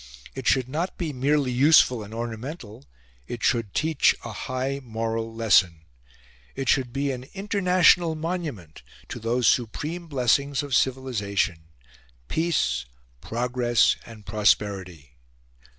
It should not be merely useful and ornamental; it should teach a high moral lesson. It should be an international monument to those supreme blessings of civilisation peace, progress, and prosperity.